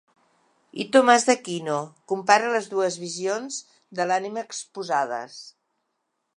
I Tomàs d'Aquino? Compara les dues visions de l'ànima exposades.